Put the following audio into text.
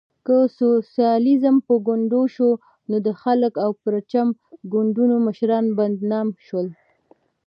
که سوسیالیزم په ګونډو شو، نو د خلق او پرچم ګوندونو مشران بدنام شول.